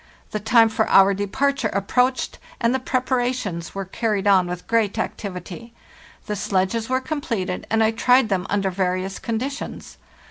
43. The time for our departure approached, and the preparations were carried on with great activity. The sledges were completed, and I tried them under various conditions.